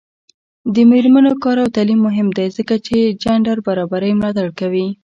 د میرمنو کار او تعلیم مهم دی ځکه چې جنډر برابرۍ ملاتړ کوي.